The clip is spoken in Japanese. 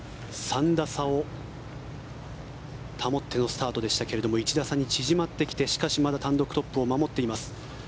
３打差を保ってのスタートでしたけれども１打差に縮まってきてしかし、まだ単独トップを守っています。